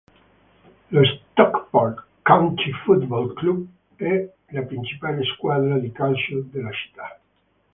Lo Stockport County Football Club è la principale squadra di calcio della città.